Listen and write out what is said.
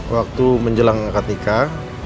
waktu menjelang akad nikah